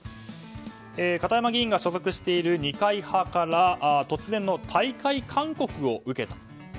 片山議員が所属している二会派から突然の退会勧告を受けたと。